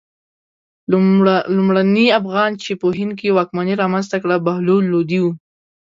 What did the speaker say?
لومړني افغان چې په هند کې واکمني رامنځته کړه بهلول لودی و.